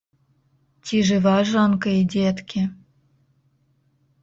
Цi жыва жонка i дзеткi...